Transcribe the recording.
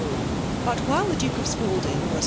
But, while the Duke of Spaldiag was.